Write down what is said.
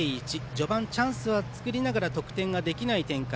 序盤チャンスは作りながら得点ができない展開。